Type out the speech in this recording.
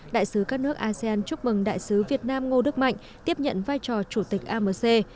đại sứ các nước asean chúc mừng đại sứ việt nam ngô đức mạnh tiếp nhận vai trò chủ tịch amc